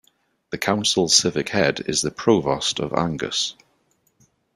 The council's civic head is the Provost of Angus.